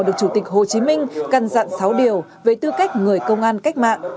được chủ tịch hồ chí minh căn dặn sáu điều về tư cách người công an cách mạng